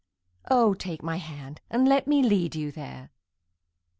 Oh, take my hand and let me lead you there.